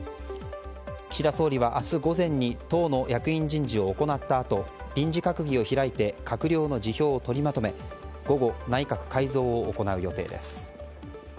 岸田総理は明日午前に党の役員人事を行ったあと臨時閣議を開いて閣僚の辞表を取りまとめ午後、内閣改造を行う予定です。